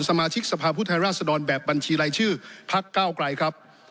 สมาชิกสภาพผู้แทนราชดรแบบบัญชีรายชื่อพักเก้าไกลครับ